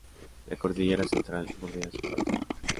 La cordillera Central bordea su parte Norte.